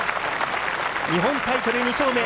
日本タイトル２勝目。